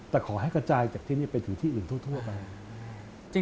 แต่ขอให้กระจายจากที่นี่ไปถึงที่อื่นทั่วไป